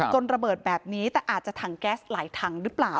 จนระเบิดแบบนี้แต่อาจจะถังแก๊สหลายถังหรือเปล่า